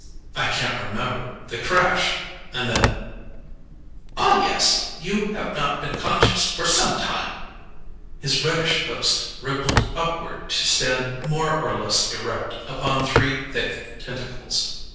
I can't remember. The crash ... and then " "Ah, yes. You have not been conscious for some time." His reddish host rippled upward to stand more or less erect upon three thick tentacles.